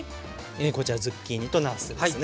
こちらズッキーニとなすですね。